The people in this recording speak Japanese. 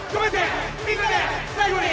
みんなで最後に。